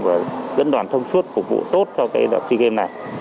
và dẫn đoàn thông suốt phục vụ tốt cho cái đoạn si game này